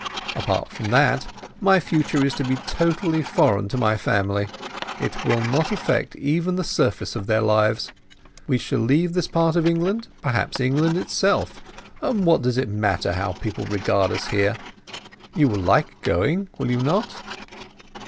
Apart from that, my future is to be totally foreign to my family—it will not affect even the surface of their lives. We shall leave this part of England—perhaps England itself—and what does it matter how people regard us here? You will like going, will you not?"